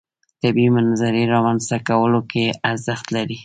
طبیعي منظرې رامنځته کولو کې ارزښت لري.